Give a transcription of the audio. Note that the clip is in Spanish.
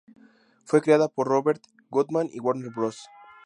Fue creada por Robert Goodman y Warner Bros.